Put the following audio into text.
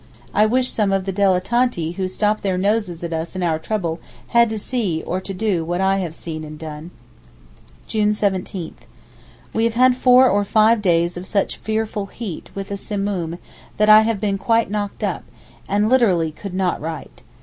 I wish some of the dilettanti who stop their noses at us in our trouble had to see or to do what I have seen and done. June 17.—We have had four or five days of such fearful heat with a Simoom that I have been quite knocked up, and literally could not write.